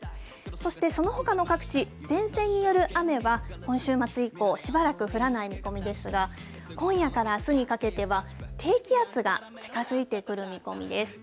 そしてそのほかの各地、前線による雨は今週末以降、しばらく降らない見込みですが、今夜からあすにかけては低気圧が近づいてくる見込みです。